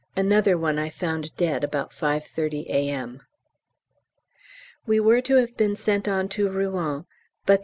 Another one I found dead about 5.30 A.M. We were to have been sent on to Rouen, but the O.